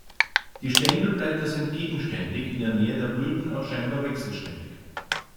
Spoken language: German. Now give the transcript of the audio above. Die Stängelblätter sind gegenständig, in der Nähe der Blüten auch scheinbar wechselständig.